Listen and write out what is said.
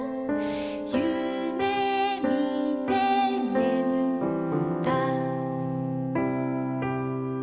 「ゆめみてねむった」